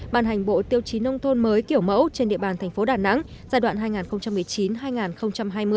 bàn hành bộ tiêu chí nông thôn mới kiểu mẫu trên địa bàn thành phố đà nẵng giai đoạn hai nghìn một mươi chín hai nghìn hai mươi